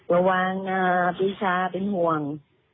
ระวังปีชาเป็นห่วง